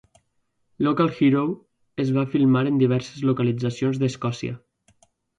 "Local Hero" es va filmar en diverses localitzacions d'Escòssia.